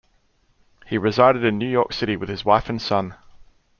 He resided in New York City with his wife and son.